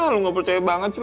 lu ga percaya banget sih lu